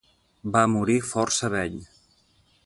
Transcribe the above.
Va morir força vell.